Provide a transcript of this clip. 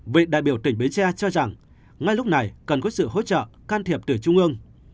vị đại biểu tỉnh bến tre cho rằng ngay lúc này cần có sự hỗ trợ can thiệp từ trung ương